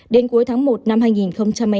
đến cuối tháng một năm hai nghìn một mươi hai